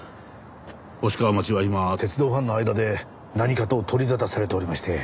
星川町は今鉄道ファンの間で何かと取り沙汰されておりまして。